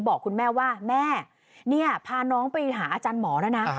บอกคุณแม่ว่าแม่เนี่ยพาน้องไปหาอาจารย์หมอแล้วนะ